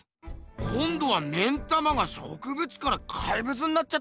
こんどは目ん玉が植物から怪物になっちゃったぞ。